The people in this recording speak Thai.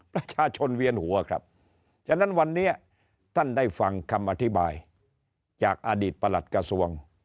ประชาชนเวียนหัวครับฉะนั้นวันนี้ท่านได้ฟังคำอธิบายจากอดีตประหลัดกระทรวง